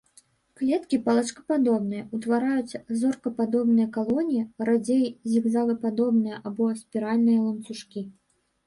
Клеткі палачкападобныя, утвараюць зоркападобныя калоніі, радзей зігзагападобныя або спіральныя ланцужкі.